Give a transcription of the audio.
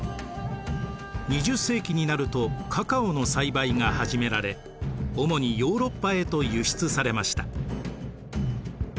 ２０世紀になるとカカオの栽培が始められ主にヨーロッパへと輸出されました。